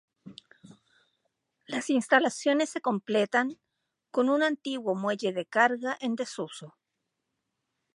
Las instalaciones se completan con un antiguo muelle de carga en desuso.